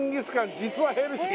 「実はヘルシー！」